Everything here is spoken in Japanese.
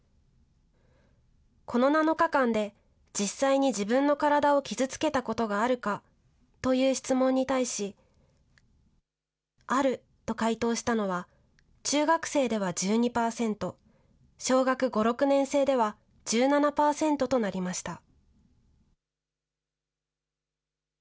この７日間で、実際に自分の体を傷つけたことがあるかという質問に対し、あると回答したのは、中学生では１２％、小学５、６年生では１７％となりました。